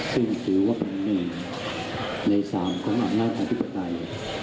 ซึ่งถือว่าเป็นหนึ่งใน๓ของอำนาจอธิปไตย